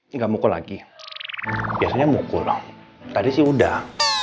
nggak mukul lagi biasanya mukul tadi sih udah